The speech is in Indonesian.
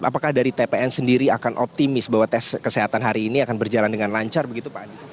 apakah dari tpn sendiri akan optimis bahwa tes kesehatan hari ini akan berjalan dengan lancar begitu pak adi